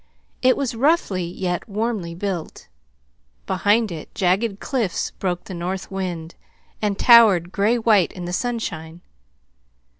It was roughly yet warmly built. Behind it jagged cliffs broke the north wind, and towered gray white in the sunshine.